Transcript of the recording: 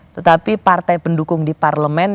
tetapi partai pendukung di parlemen